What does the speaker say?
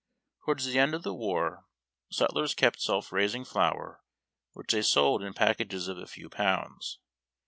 Towards the end of the war sutlers kept self raising flour, which they sold in packages of a few pounds.